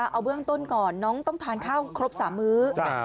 เอาเบื้องต้นก่อนน้องต้องทานข้าวครบ๓มื้อ